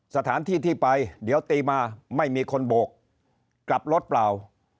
สถานที่ที่ไปเดี๋ยวตีมาไม่มีคนโบกกลับรถเปล่า